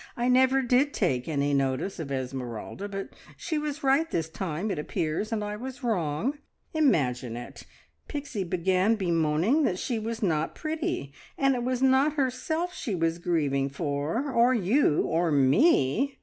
I never did take any notice of Esmeralda, but she was right this time, it appears, and I was wrong. Imagine it! Pixie began bemoaning that she was not pretty, and it was not herself she was grieving for, or you, or Me!"